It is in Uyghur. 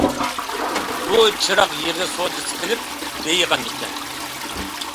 ئۇ چىراغ يېغى سودىسى قىلىپ بېيىغان ئىكەن.